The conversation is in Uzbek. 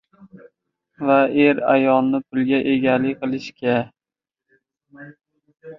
va er ayolining puliga egalik qilishga